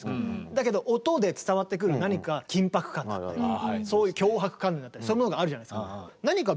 だけど音で伝わってくる何か緊迫感だったりそういう強迫観念だったりそういうものがあるじゃないですか。